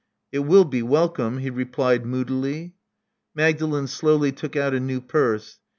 *' It will be welcome, *' he replied moodily. Magdalen slowly took out a new purse.